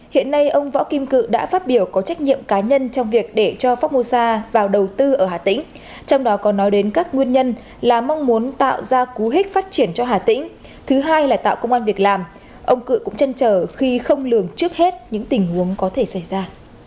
hiện nay ông võ kim cự đã phát biểu có trách nhiệm cá nhân trong việc để cho phongmosa vào đầu tư ở hà tĩnh trong đó có nói đến các nguyên nhân là mong muốn tạo ra cú hích phát triển cho hà tĩnh thứ hai là tạo công an việc làm ông cự cũng chăn trở khi không lường trước hết những tình huống có thể xảy ra